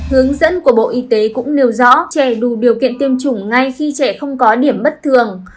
hướng dẫn của bộ y tế cũng nêu rõ trẻ đủ điều kiện tiêm chủng ngay khi trẻ không có điểm bất thường